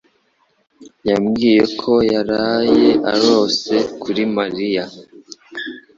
yambwiye ko yaraye arose kuri Mariya.